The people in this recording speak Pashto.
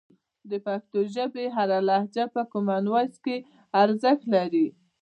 د پښتو ژبې هره لهجه په کامن وایس کې ارزښت لري.